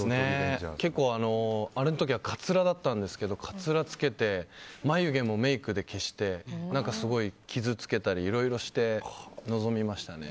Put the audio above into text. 結構、あれの時はカツラだったんですけどカツラつけて眉毛もメイクで消してすごい傷つけたりいろいろして臨みましたね。